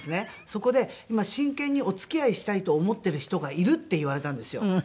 そこで「今真剣にお付き合いしたいと思ってる人がいる」って言われたんですよ。